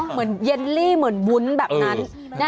เหมือนเยลลี่เหมือนวุ้นแบบนั้น